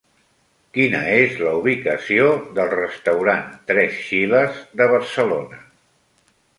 Quina és la ubicació del restaurant Tres Chiles de Barcelona?